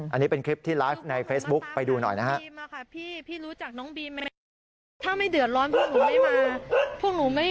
อันนี้เป็นคลิปที่ไลฟ์ในเฟซบุ๊กไปดูหน่อยนะครับ